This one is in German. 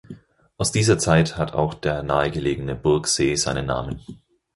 Aus dieser Zeit hat auch der nahegelegene Burgsee seinen Namen.